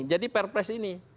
jadi perpres ini